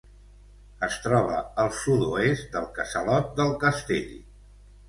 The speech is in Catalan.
Es troba al sud-oest del Casalot del Castell.